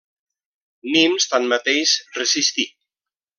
Nimes, tanmateix, resistí.